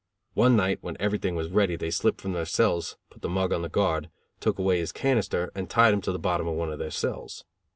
One night when everything was ready, they slipped from their cells, put the mug on the guard, took away his cannister, and tied him to the bottom of one of their cells.